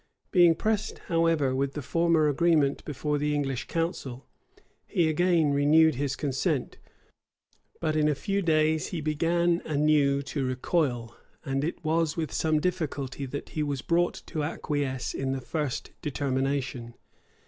Being pressed, however, with the former agreement before the English council, he again renewed his consent; but in a few days he began anew to recoil; and it was with some difficulty that he was brought to acquiesce in the first determination.